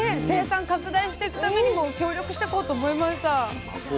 生産拡大していくためにも協力してこうと思いました。